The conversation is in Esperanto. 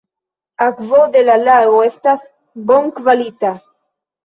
Akvo de la lago estas bonkvalita.